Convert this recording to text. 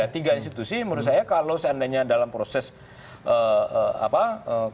tiga institusi menurut saya kalau seandainya dalam proses kasus tindak pidana